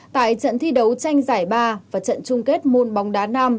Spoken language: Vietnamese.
tại trận thi đấu tranh giải ba và trận chung kết môn bóng đá nam